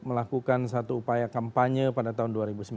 melakukan satu upaya kampanye pada tahun dua ribu sembilan belas